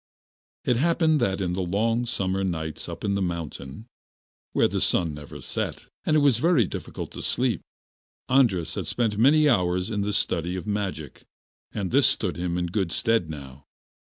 It happened that in the long summer nights up in the mountain, where the sun never set, and it was very difficult to get to sleep, Andras had spent many hours in the study of magic, and this stood him in good stead now.